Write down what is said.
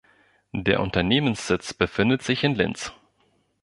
Der Unternehmenssitz befindet sich in Linz.